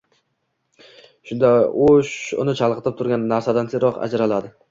shunda u uni chalg‘itib turgan narsadan tezroq ajraladi.